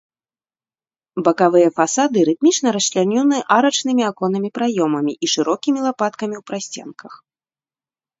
Бакавыя фасады рытмічна расчлянёны арачнымі аконнымі праёмамі і шырокімі лапаткамі ў прасценках.